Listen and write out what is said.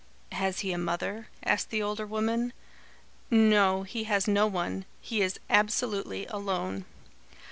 "Has he a mother?" asked the older woman. "No, he has no one. He is absolutely alone.